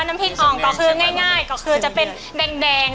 น้ำพริกอ่องก็คือง่ายก็คือจะเป็นแดง